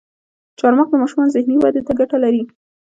چارمغز د ماشومانو ذهني ودې ته ګټه لري.